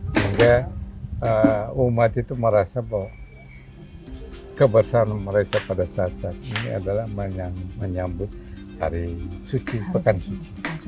sehingga umat itu merasa bahwa kebersamaan mereka pada saat saat ini adalah menyambut hari suci pekan suci